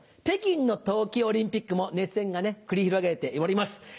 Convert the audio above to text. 北京の冬季オリンピックも熱戦が繰り広げられております。